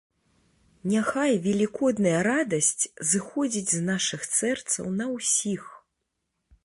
Няхай велікодная радасць зыходзіць з нашых сэрцаў на ўсіх!